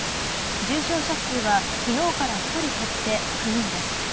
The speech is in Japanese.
重症者数は昨日から１人減って９人です。